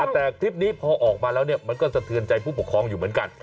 แต่คลิปนี้พอออกมาแล้วมันก็สะเทือนใจผู้ปกครองอยู่เหมือนกัน